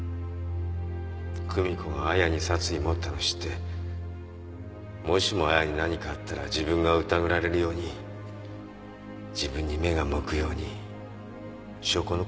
久美子が亜矢に殺意持ったのを知ってもしも亜矢に何かあったら自分がうたぐられるように自分に目が向くように証拠残したんだろう？